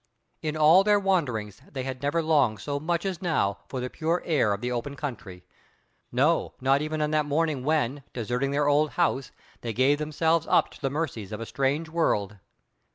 In all their wanderings they had never longed so much as now for the pure air of the open country; no, not even on that morning when, deserting their old home, they gave themselves up to the mercies of a strange world.